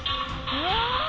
うわ！